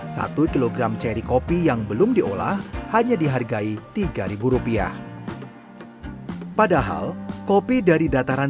satu kilogram ceri kopi yang belum diolah hanya dihargai tiga ribu rupiah padahal kopi dari dataran